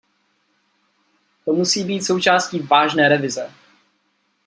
To musí být součástí vážné revize.